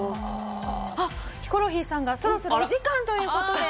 あっヒコロヒーさんがそろそろお時間という事で。